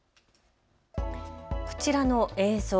こちらの映像。